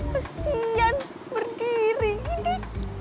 kesian berdiri ini